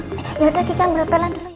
yaudah kiki ambil pelan dulu ya